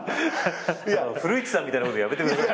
古市さんみたいなやめてください。